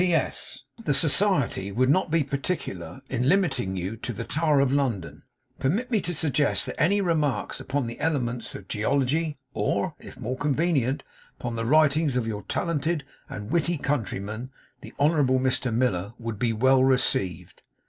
'P.S. The Society would not be particular in limiting you to the Tower of London. Permit me to suggest that any remarks upon the Elements of Geology, or (if more convenient) upon the Writings of your talented and witty countryman, the honourable Mr Miller, would be well received.